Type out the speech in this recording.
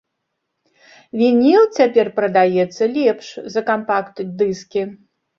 Вініл цяпер прадаецца лепш за кампакт-дыскі.